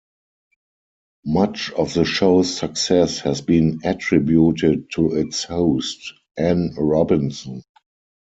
Much of the show's success has been attributed to its host, Anne Robinson.